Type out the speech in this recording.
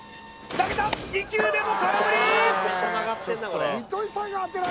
投げた２球目も空振り！